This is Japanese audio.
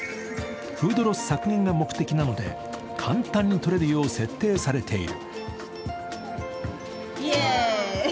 フードロス削減が目的なので簡単に取れるよう設定されている。